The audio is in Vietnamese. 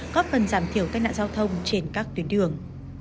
góp phần giảm thiểu tai nạn giao thông trên các tuyến đường